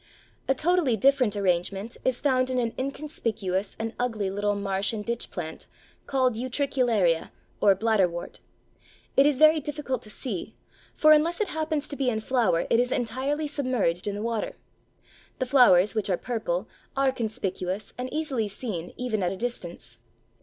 A totally different arrangement is found in an inconspicuous and ugly little marsh and ditch plant called Utricularia or Bladderwort. It is very difficult to see, for unless it happens to be in flower it is entirely submerged in the water. The flowers, which are purple, are conspicuous and easily seen even at a distance.